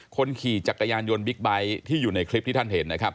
คนขี่จักรยานยนต์บิ๊กไบท์ที่อยู่ในคลิปที่ท่านเห็นนะครับ